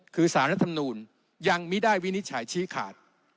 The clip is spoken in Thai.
คือสารรัฐมนูลยังไม่ได้วินิจฉัยชี้ขาด